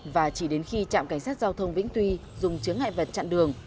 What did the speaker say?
và chỉ đến khi trạm cảnh sát giao thông vĩnh tuy dùng chứng ngại vật chặn đường